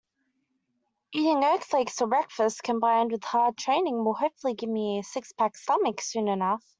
Eating oat flakes for breakfast combined with hard training will hopefully give me a six-pack stomach soon enough.